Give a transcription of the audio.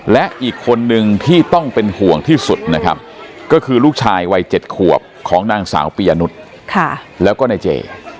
และอีกคนนึงที่ต้องเป็นห่วงที่สุดนะครับก็คือลูกชายวัย๗ขวบของนางสาวปียะนุษย์แล้วก็นายเจ